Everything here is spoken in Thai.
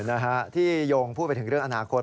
นะฮะที่โยงพูดไปถึงเรื่องอนาคต